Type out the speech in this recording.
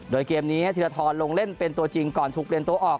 โดยเกมนี้ธีรทรลงเล่นเป็นตัวจริงก่อนถูกเปลี่ยนตัวออก